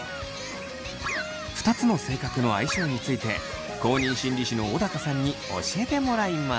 ２つの性格の相性について公認心理師の小高さんに教えてもらいます。